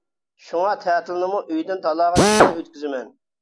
شۇڭا تەتىلنىمۇ ئۆيدىن تالاغا چىقماي ئۆتكۈزىمەن.